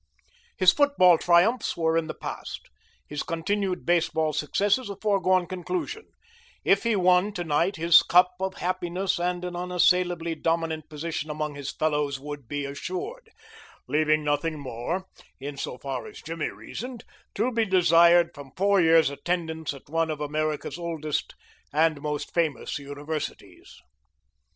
His football triumphs were in the past, his continued baseball successes a foregone conclusion if he won to night his cup of happiness, and an unassailably dominant position among his fellows, would be assured, leaving nothing more, in so far as Jimmy reasoned, to be desired from four years attendance at one of America's oldest and most famous universities.